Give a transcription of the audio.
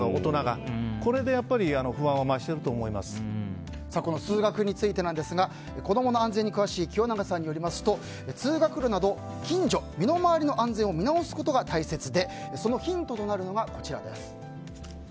これで不安が通学について子供の安全に詳しい清永さんによりますと通学路など近所、身の回りの安全を見直すことが大切でそのヒントがこちらです。